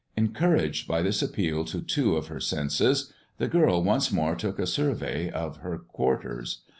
Encouraged by this appeal to two of her senses, the girl once more took a survey of her quarters.